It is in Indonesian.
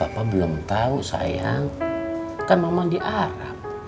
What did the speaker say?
apa belum tau sayang kan mama di arab